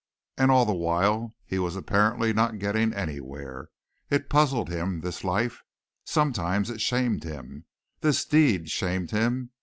And all the while he was apparently not getting anywhere. It puzzled him, this life. Sometimes it shamed him. This deed shamed him.